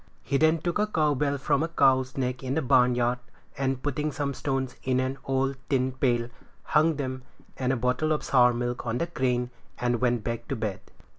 He then took a cow bell from a cow's neck in the barnyard, and putting some stones in an old tin pail, hung them and a bottle of sour milk on the crane, and went back to bed.